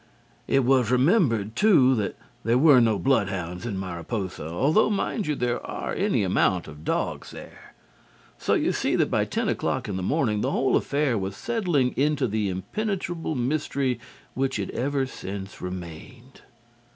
It was remembered, too, that there were no bloodhounds in Mariposa, although, mind you, there are any amount of dogs there. So you see that by ten o'clock in the morning the whole affair was settling into the impenetrable mystery which it ever since remained.